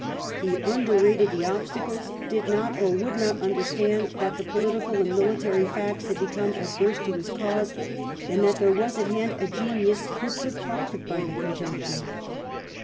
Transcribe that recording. He underrated the obstacles, did not or would not understand that the political and military facts had become adverse to his cause, and that there was at hand a genius who could profit by the conjuncture.